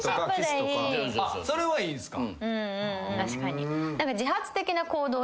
それはいいんすか。